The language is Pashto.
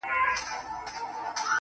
خدايه په دې شریر بازار کي رڼایي چیري ده.